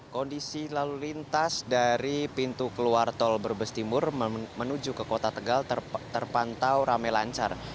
kondisi lalu lintas dari pintu keluar tol brebes timur menuju ke kota tegal terpantau rame lancar